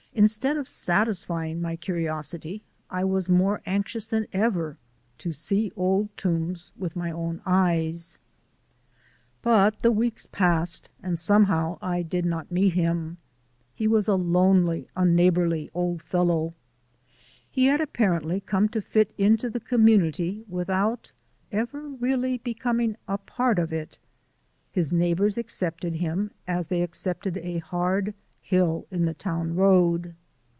Instead of satisfying my curiosity I was more anxious than ever to see Old Toombs with my own eyes. But the weeks passed and somehow I did not meet him. He was a lonely, unneighbourly old fellow. He had apparently come to fit into the community without ever really becoming a part of it. His neighbours accepted him as they accepted a hard hill in the town road.